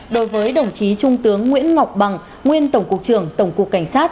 đối với đồng chí trung tướng nguyễn ngọc bằng nguyên tổng cục trưởng tổng cục cảnh sát